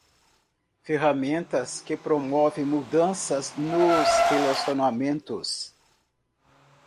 Ferramentas que promovem mudanças nos relacionamentos.